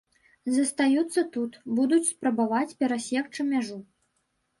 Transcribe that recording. Застаюцца тут, будуць спрабаваць перасекчы мяжу.